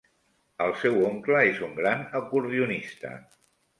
El seu oncle és un gran acordionista.